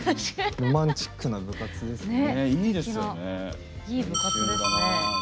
ロマンチックな部活ですね。